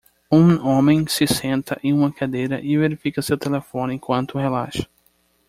Um homem se senta em uma cadeira e verifica seu telefone enquanto relaxa.